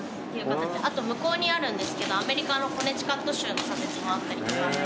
あと向こうにあるんですけどアメリカのコネティカット州の砂鉄もあったりとか。